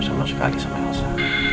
sama sekali sama elsa